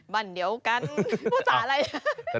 บันเดียวกันพูดจากอะไร